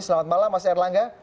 selamat malam mas erlangga